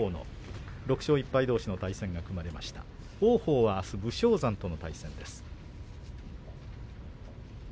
王鵬は、あす武将山との対戦です。